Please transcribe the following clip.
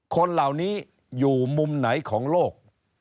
คนเหล่านี้อยู่มุมไหนของโลก